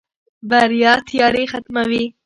بریا تیارې ختموي.